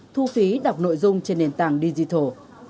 thu phí đọc nội dung trên nền tảng digital